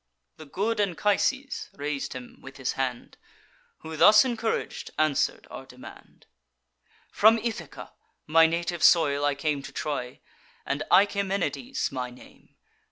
The good Anchises rais'd him with his hand; Who, thus encourag'd, answer'd our demand: 'From Ithaca, my native soil, I came To Troy; and Achaemenides my name.